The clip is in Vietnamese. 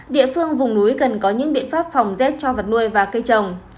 địa phương vùng núi cần có những biện pháp phòng rét cho vật nuôi và cây trồng